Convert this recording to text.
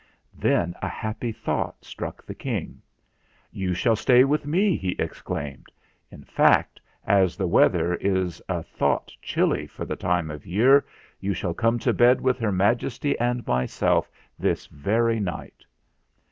Then a happy thought struck the King. "You shall stay with me," he exclaimed. "In fact, as the weather is a thought chilly for the time of the year, you shall come to bed with Her Majesty and myself this very night!"